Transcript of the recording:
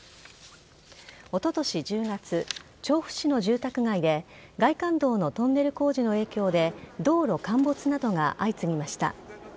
おととし１０月調布市の住宅街で外環道のトンネル工事の影響で道路陥没などが相次ぎました。